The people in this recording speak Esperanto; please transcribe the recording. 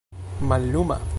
malluma